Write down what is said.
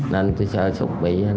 nên tôi sẽ cầm vàng